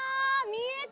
見えた？